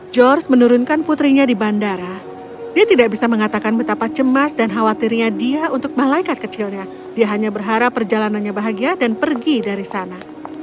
george menurunkan putrinya di bandara dia tidak bisa mengatakan betapa cemas dan khawatirnya dia untuk malaikat kecilnya dia hanya berharap perjalanannya bahagia dan pergi dari sana